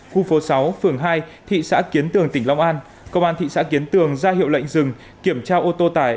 khu phố sáu phường hai thị xã kiến tường tỉnh long an công an thị xã kiến tường ra hiệu lệnh dừng kiểm tra ô tô tải